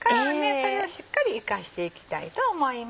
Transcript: それをしっかり生かしていきたいと思います。